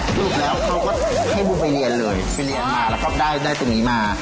สรุปแล้วเขาก็ให้บูมไปเรียนเลยไปเรียนมาแล้วก็ได้ตรงนี้มา